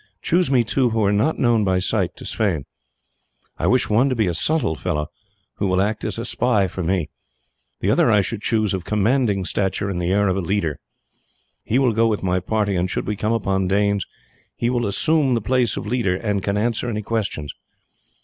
"Choose me two who are not known by sight to Sweyn. I wish one to be a subtle fellow, who will act as a spy for me; the other I should choose of commanding stature; and the air of a leader. He will go with my party, and should we come upon Danes he will assume the place of leader, and can answer any questions.